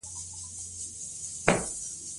پښتانه ډیر عزت مند خلک دی.